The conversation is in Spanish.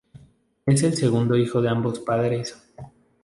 Es el segundo hijo de ambos padres.